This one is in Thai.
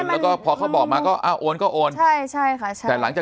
มันคิดเลยค่ะพอเขาบอกมาก็โอนก็โอน